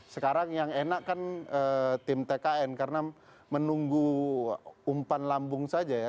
sekarang yang enak kan tim tkn karena menunggu umpan lambung saja ya